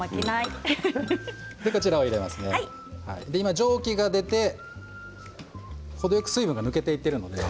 蒸気が出て程よく水分が抜けていっているので。